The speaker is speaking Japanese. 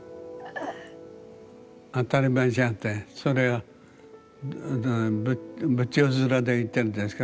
「当たり前じゃん」ってそれは仏頂面で言ってるんですか？